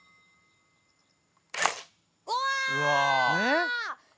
うわ。